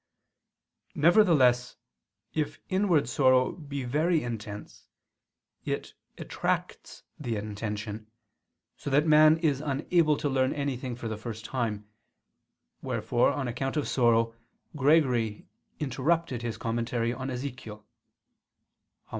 Nevertheless if inward sorrow be very intense, it attracts the intention, so that man is unable to learn anything for the first time: wherefore on account of sorrow Gregory interrupted his commentary on Ezechiel (Hom.